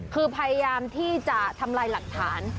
คือพยายามที่จะทำลายหลักฐาน